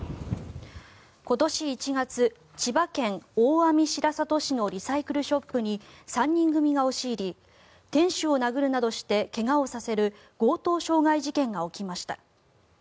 今年１月千葉県大網白里市のリサイクルショップに３人組が押し入り店主を殴るなどして怪我をさせる強盗傷害事件が起きました。